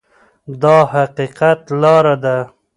دا د حقیقت لاره ده.